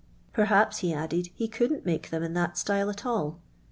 Perhaps, lie added, he couldn't make them in that style at all.